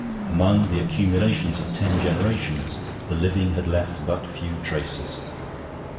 Among the accumulations of ten generations the living had left but few traces.